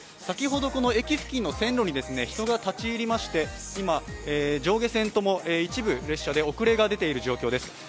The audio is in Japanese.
先ほど駅付近の線路に人が立ち入りまして、今、上下線とも一部、列車で遅れが出ている状況です。